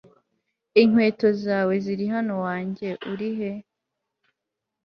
inkweto zawe ziri hano. wanjye uri he